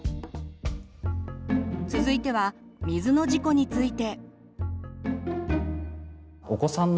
続いては水の事故について。